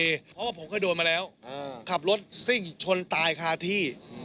เพราะว่าผมเคยโดนมาแล้วขับรถซิ่งชนตายคาที่